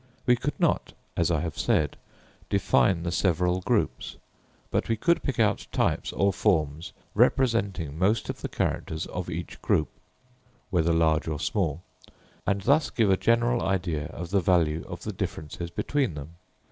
We could not, as I have said, define the several groups; but we could pick out types, or forms, representing most of the characters of each group, whether large or small, and thus give a general idea of the value of the differences between them.